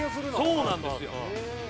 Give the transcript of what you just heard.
「そうなんですよ」